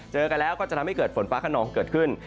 เจอกันแล้วก็จะทำให้เกิดฝนฟ้าขนองเกิดขึ้น